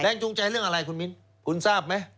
จูงใจเรื่องอะไรคุณมิ้นคุณทราบไหม